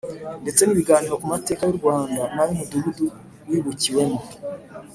ndetse n ibiganiro ku mateka y u Rwanda n ay Umudugudu wibukiwemo